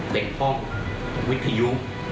เป็นห้องวิทยุ